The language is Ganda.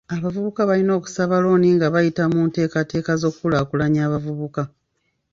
Abavubuka balina okusaba looni nga bayita mu nteekateeka z'okukulaakulanya abavubuka.